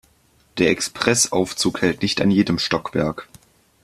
Der Express-Aufzug hält nicht an jedem Stockwerk.